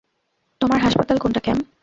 তোমার হাসপাতাল কোনটা, ক্যাম?